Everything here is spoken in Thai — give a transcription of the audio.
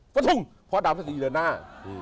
ก็ทุ่งเพราะดาวสตรีเหลือหน้า